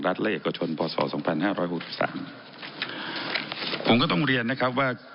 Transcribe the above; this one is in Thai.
และเอกชนพศสองพันห้าร้อยหกสิบสามผมก็ต้องเรียนนะครับว่า